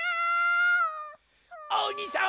おにさん